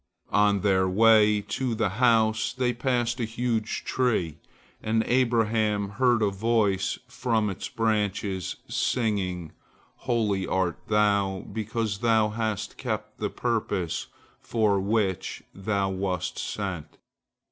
On their way to the house they passed a huge tree, and Abraham heard a voice from its branches, singing, "Holy art thou, because thou hast kept the purpose for which thou wast sent."